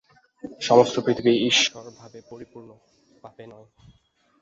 সমস্ত পৃথিবী ঈশ্বরভাবে পরিপূর্ণ, পাপে নয়।